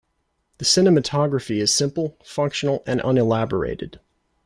The cinematography is simple, functional, and unelaborated.